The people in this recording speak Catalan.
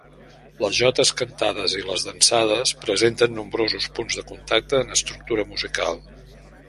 Les jotes cantades i les dansades presenten nombrosos punts de contacte en estructura musical.